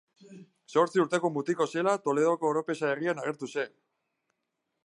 Zortzi urteko mutiko zela, Toledoko Oropesa herrian agertu zen.